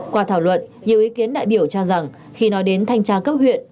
qua thảo luận nhiều ý kiến đại biểu cho rằng khi nói đến thanh tra cấp huyện